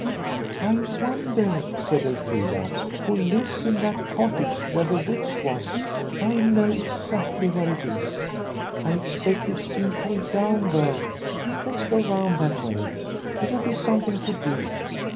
"I wonder," said Elfrida, "who lives in that cottage where the witch was. I know exactly where it is. I expect it's been pulled down, though. Let's go round that way. It'll be something to do."